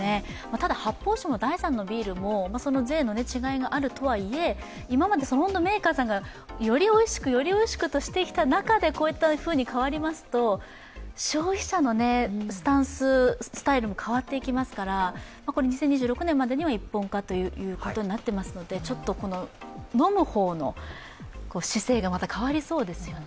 ただ発泡酒も第３のビールも税の違いがあるとはいえ今まで、メーカーさんがよりおいしく、よりおいしくとしてきた中でこう変わりますと消費者のスタンス、スタイルも変わっていきますから２０２６年までには一本化となっていますので飲む方の姿勢が変わりそうですよね。